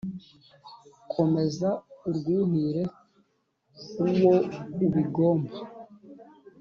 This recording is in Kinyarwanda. komeza urwuhire uwo ubigomba